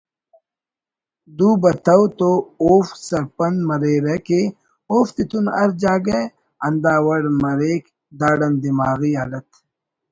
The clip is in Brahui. دو بتو تو اوفک سرپند مریرہ کہ اوفتتون ہر جاگہ ہنداوڑ مریک داڑان دماغی حالت